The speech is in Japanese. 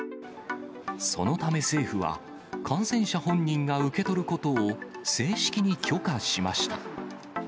そのため政府は、感染者本人が受け取ることを、正式に許可しました。